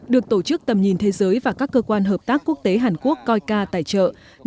được tổ chức tầm nhìn thế giới và các cơ quan hợp tác quốc tế hàn quốc coica tài trợ